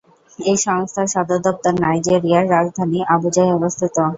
এই সংস্থার সদর দপ্তর নাইজেরিয়ার রাজধানী আবুজায় অবস্থিত।